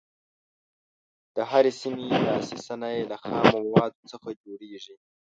د هرې سیمې لاسي صنایع له خامو موادو څخه جوړیږي.